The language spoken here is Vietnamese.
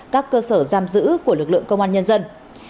các cơ sở giam giữ của lực lượng công an nhân dân